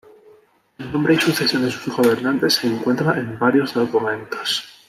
El nombre y sucesión de sus gobernantes se encuentra en varios documentos.